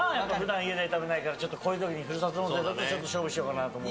からこういう時にふるさと納税だとちょっと勝負しようかなと思う。